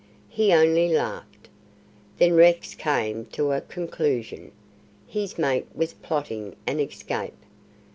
He only laughed. Then Rex came to a conclusion. His mate was plotting an escape.